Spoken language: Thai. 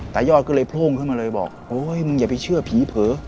ยอดก็เลยโพร่งขึ้นมาเลยบอกโอ๊ยมึงอย่าไปเชื่อผีเผลอ